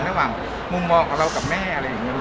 ระหว่างมุมมองของเรากับแม่อะไรอย่างนี้